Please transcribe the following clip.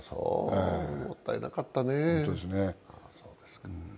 もったいなかったね。